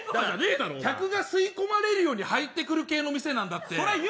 客が吸い込まれるように入ってくる系の店なんだって。